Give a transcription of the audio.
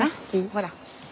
ほら。